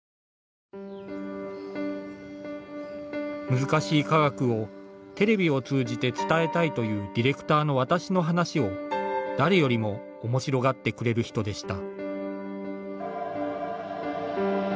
難しい科学をテレビを通じて伝えたいというディレクターの私の話を誰よりもおもしろがってくれる人でした。